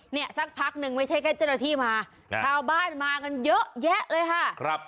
เนี่ยสักพักนึงไม่ใช่แค่เจ้าหน้าที่มาชาวบ้านมากันเยอะแยะเลยค่ะครับ